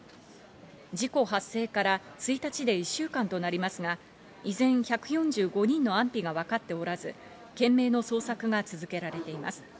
事故発生から１日で一週間となりますが、依然１４５人の安否がわかっておらず、懸命の捜索が続けられています。